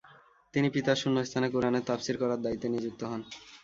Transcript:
তিনি পিতার শূন্যস্থানে কুরআনের তাফসীর করার দায়িত্বে নিযুক্ত হন।